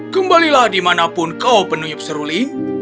kembalilah dimanapun kau peniup suling